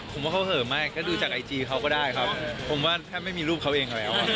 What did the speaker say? ผมว่าเขาเหอะมากก็ดูจากไอจีเขาก็ได้ครับผมว่าแทบไม่มีรูปเขาเองแล้ว